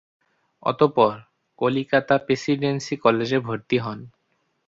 অতঃপর কলিকাতা প্রেসিডেন্সী কলেজে ভর্তি হন।